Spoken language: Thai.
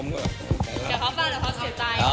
อย่าขอบฟังเดี๋ยวเขาเสียใจ